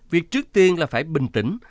việc trước tiên là phải bình tĩnh